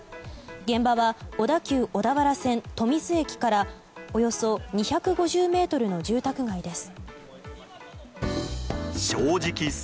現場は小田急小田原線富水駅からおよそ２５０ｍの住宅街です。